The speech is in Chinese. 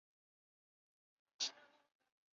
沃埃夫尔地区圣伊莱尔人口变化图示